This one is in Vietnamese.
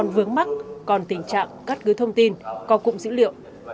mắc mắc còn tình trạng cắt gứa thông tin có cụm dữ liệu